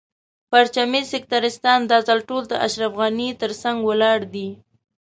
پرچمي سکتریستان دا ځل ټول د اشرف غني تر څنګ ولاړ دي.